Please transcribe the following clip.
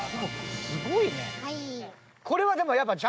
すごいね。